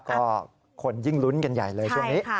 ก็คนยิ่งลุ้นกันใหญ่เลยช่วงนี้